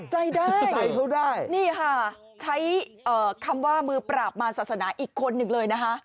ใจได้นี่ค่ะใช้คำว่ามือปราบมาศาสนาอีกคนนึงเลยนะฮะ